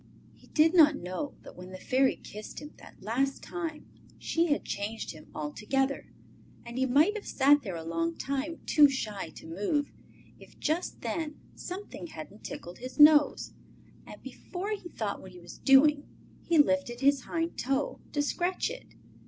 He did not know that when the Fairy kissed him that last time she had changed him altogether. And he might have sat there a long time, too shy to move, if just then something hadn't tickled his nose, and before he thought what he was doing he lifted his hind toe to scratch it.